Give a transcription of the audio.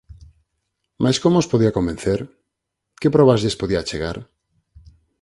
Mais como os podía convencer? Que probas lles podía achegar?